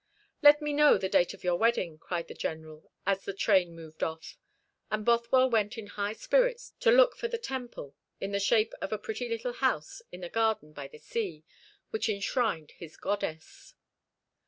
"Let me know the date of your wedding," cried the General, as the train moved off; and Bothwell went in high spirits to look for the temple, in the shape of a pretty little house in a garden by the sea, which enshrined his goddess.